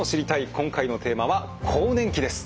今回のテーマは「更年期」です。